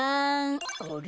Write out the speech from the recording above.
あれ？